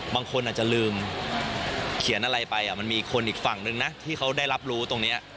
บางคนอาจจะลืมเขียนอะไรไปมันมีคนอีกฝั่งนึงนะที่เขาได้รับรู้ตรงนี้